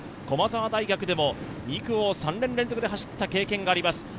駒沢大学でも２区を３年連続で走った経験があります。